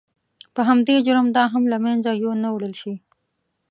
په همدې جرم دا هم له منځه یو نه وړل شي.